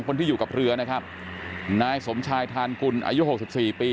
คนที่อยู่กับเรือนะครับนายสมชายทานกุลอายุหกสิบสี่ปี